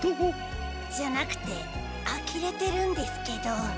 じゃなくてあきれてるんですけど。